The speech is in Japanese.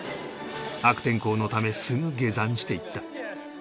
悪天候のためすぐ下山していった